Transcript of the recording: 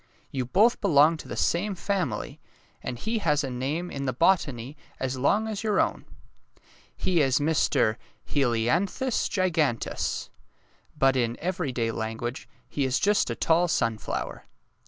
You both belong to the same family, and he has a name in the botany as long as your own. He is Mr. He li an thus Gi gan teus, but in every day language he is just a tall sunflower."